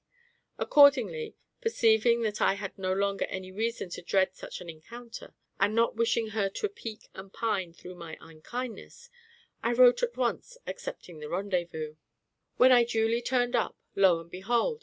Accordingly, perceiving that I had no longer any reason to dread such an encounter, and not wishing her to peak and pine through my unkindness, I wrote at once accepting the rendezvous. When I duly turned up, lo and behold!